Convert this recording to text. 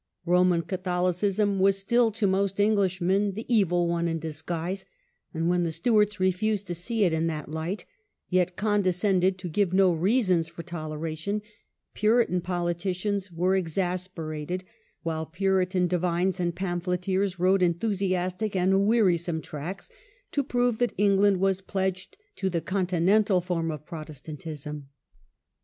Roman ^^ j ^j^ Catholicism was still to most Englishmen the Puritan spirit Evil One in disguise, and when the Stewarts "■*"• refused to see it in that light, yet condescended to give no reasons for toleration, Puritan politicians were exas perated, while Puritan divines and pamphleteers wrote enthusiastic and wearisome tracts to prove that England was pledged to the continental form of Protestantism.